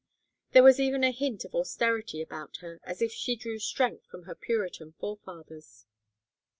There was even a hint of austerity about her, as if she drew strength from her Puritan forefathers.